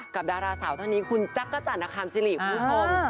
กับดาราสาวเท่านี้คุณจักรจันทร์อคารม์ซิริคผู้ชม